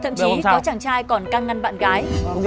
thậm chí có chàng trai còn căng ngăn bạn gái